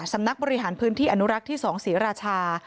สำนักบริหารพื้นที่อนุรักษ์ที่๒ศรีราชา